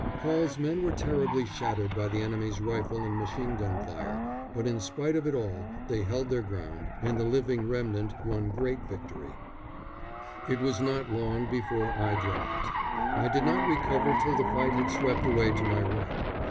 Hall's men were terribly shattered by the enemy's rifle and machine gun fire; but in spite of it all they held their ground, and the living remnant won great glory. It was not long before I dropped. I did not recover till the fight had swept away to my right.